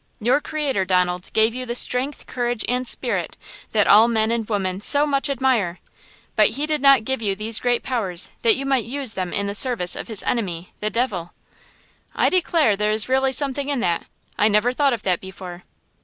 Your Creator, Donald, gave you the strength, courage and spirit that all men and women so much admire; but He did not give you these great powers that you might use them in the service of his enemy, the devil!" "I declare there is really something in that! I never thought of that before."